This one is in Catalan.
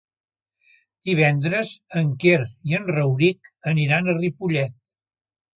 Divendres en Quer i en Rauric aniran a Ripollet.